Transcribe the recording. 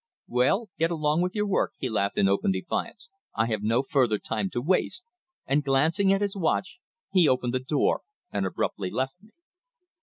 "Well, get along with your work," he laughed in open defiance. "I have no further time to waste," and glancing at his watch he opened the door and abruptly left me.